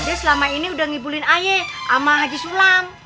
dia selama ini udah ngibulin aye sama haji sulam